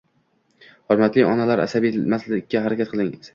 Hurmatli onalar, asabiylashmaslikka harakat qiling.